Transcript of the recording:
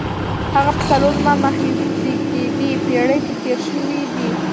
هغه په څلورمه مخزېږدي پېړۍ کې تېر شوی دی.